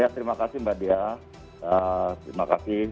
terima kasih mbak dia terima kasih